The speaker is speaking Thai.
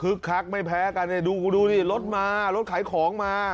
คึกคักไม่แพ้กันดูรถมารถขายของมา